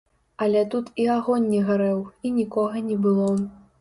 Але тут і агонь не гарэў, і нікога не было.